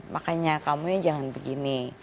makanya kamu jangan begini